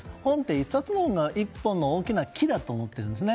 １冊の本というのが大きな木だと思っているんですね。